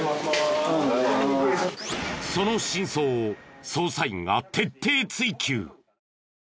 その真相を捜査員が徹底追及。